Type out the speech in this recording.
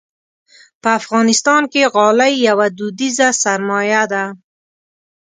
په افغانستان کې غالۍ یوه دودیزه سرمایه ده.